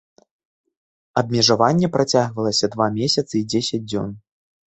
Абмежаванне працягвалася два месяцы і дзесяць дзён.